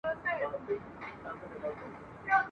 ماته مه راځه واعظه چي ما نغده سودا وکړه !.